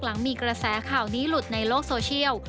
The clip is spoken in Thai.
หลังมีกระแสข่าวนี้หลุดในโลกโซเชียล